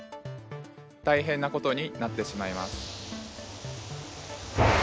大変なことになってしまいます。